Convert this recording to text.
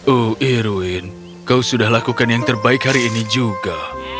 oh irwin kau sudah lakukan yang terbaik hari ini juga